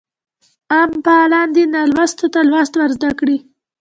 عام فعالان دي نالوستو ته لوست ورزده کړي.